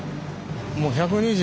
もう１２０！